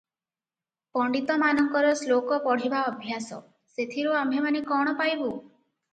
ପଣ୍ତିତମାନଙ୍କର ଶ୍ଳୋକ ପଢ଼ିବା ଅଭ୍ୟାସ, ସେଥିରୁ ଆମ୍ଭେମାନେ କ'ଣ ପାଇବୁ?